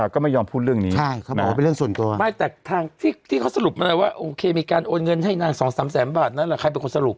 ก็ไม่ยอมพูดเรื่องนี้